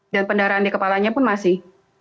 dan pendarahan di kepalanya pun masih